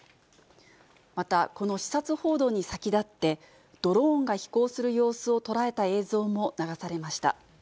また、この視察報道に先立って、ドローンが飛行する様子も捉えた映像も流されました。